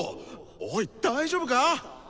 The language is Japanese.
おい大丈夫か！？